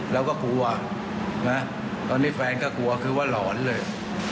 เราก็กลัวนะตอนนี้แฟนก็กลัวคือว่าหลอนเลย